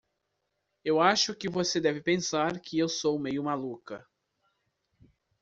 Eu acho que você deve pensar que eu sou meio maluca.